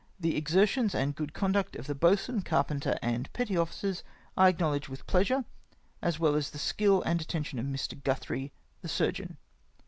The exertions and good conduct of the boatswain, carpenter, and petty officers, I acknowledge with pleasure, as well as the skill and attention of Mr. Guthrie, the surgeon.